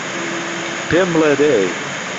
پێم بڵێ دەی